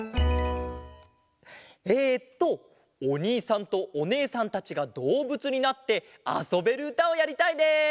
えっとおにいさんとおねえさんたちがどうぶつになってあそべるうたをやりたいです。